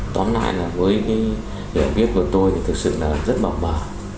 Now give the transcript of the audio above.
tóm lại là với cái hiểu biết của tôi thì thực sự là rất bỏng bở